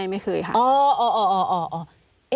ไม่เคยค่ะ